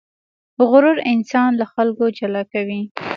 غرور انسان له خلکو جلا کوي.